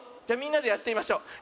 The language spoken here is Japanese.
じゃみんなでやってみましょう。